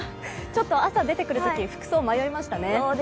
ちょっと朝、出てくるとき服装迷いましたね。